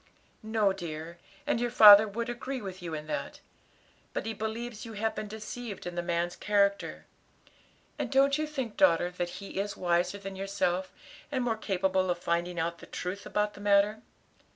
"No, dear; and your father would agree with you in that. But he believes you have been deceived in the man's character; and don't you think, daughter, that he is wiser than yourself, and more capable of finding out the truth about the matter?"